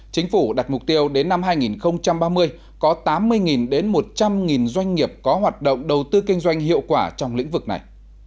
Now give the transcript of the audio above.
chính phủ đặt mục tiêu đến năm hai nghìn ba mươi có tám mươi đến một trăm linh doanh nghiệp có hoạt động đầu tư kinh doanh hiệu quả trong lĩnh vực này